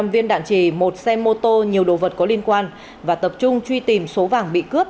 một mươi viên đạn trì một xe mô tô nhiều đồ vật có liên quan và tập trung truy tìm số vàng bị cướp